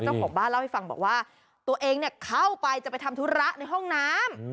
เจ้าของบ้านเล่าให้ฟังบอกว่าตัวเองเข้าไปจะไปทำธุระในห้องน้ำ